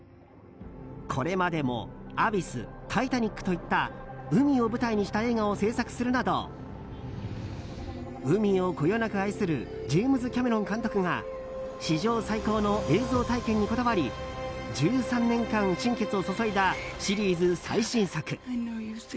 これまでも「アビス」「タイタニック」といった海を舞台にした映画を制作するなど海をこよなく愛するジェームズ・キャメロン監督が史上最高の映像体験にこだわり１３年間、心血を注いだシリーズ最新作。